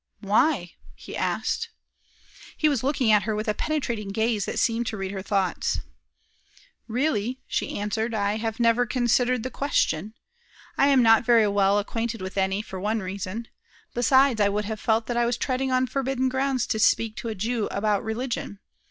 "Why?" he asked. He was looking at her with a penetrating gaze that seemed to read her thoughts. "Really," she answered, "I have never considered the question. I am not very well acquainted with any, for one reason; besides, I would have felt that I was treading on forbidden grounds to speak to a Jew about religion.